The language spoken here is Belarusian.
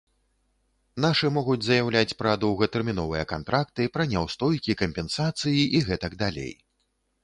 Нашы могуць заяўляць пра доўгатэрміновыя кантракты, пра няўстойкі, кампенсацыі і гэтак далей.